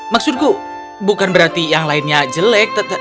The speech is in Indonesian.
maksudku bukan berarti yang lainnya jelek